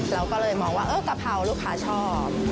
เราก็เลยมองว่ากะเพราลูกค้าชอบ